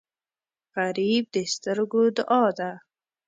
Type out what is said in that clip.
غریب د سترګو دعا ده